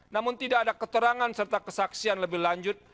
namun tidak ada keterangan serta kesaksian lebih lanjut